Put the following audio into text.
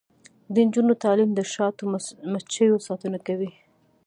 د نجونو تعلیم د شاتو مچیو ساتنه هڅوي.